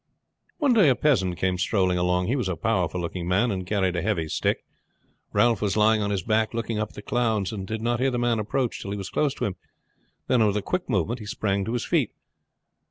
One day a peasant came strolling along. He was a powerful looking man and carried a heavy stick. Ralph was lying on his back looking up at the clouds and did not hear the man approach till he was close to him, then with a quick movement he sprang to his feet.